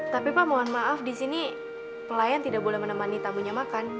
tapi pak mohon maaf di sini pelayan tidak boleh menemani tamunya makan